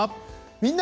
「みんな！